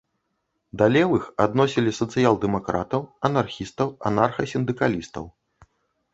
Да левых адносілі сацыял-дэмакратаў, анархістаў, анарха-сіндыкалістаў.